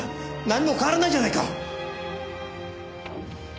何も変わらないじゃないか。